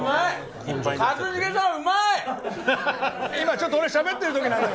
今、ちょっと俺、しゃべってる時なのよ。